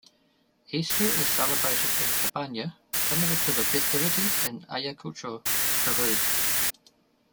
Easter is celebrated in Cabana similar to the festivities in Ayacucho, Peru.